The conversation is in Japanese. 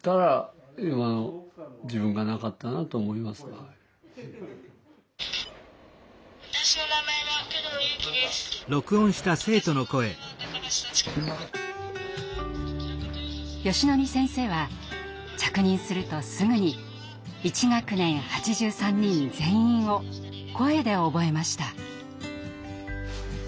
よしのり先生は着任するとすぐに１学年８３人全員を声で覚えました。